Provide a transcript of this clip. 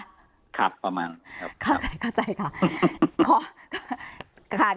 เรียบข้าบประมาณนี้ข้อใจข้าว